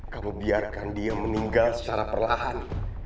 kamu biarkan dia meninggal secara perlahan